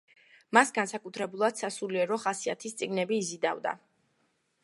მას განსაკუთრებულად სასულიერო ხასიათის წიგნები იზიდავდა.